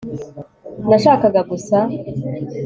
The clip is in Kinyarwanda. nashakaga gusa